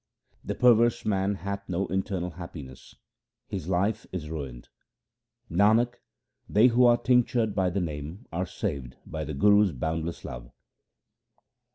The perverse man hath no internal happiness ; his life is ruined. Nanak, they who are tinctured by the Name are saved by the Guru's boundless love.